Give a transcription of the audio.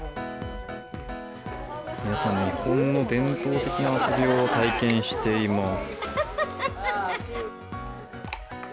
皆さん、日本の伝統的な遊びを体験しています。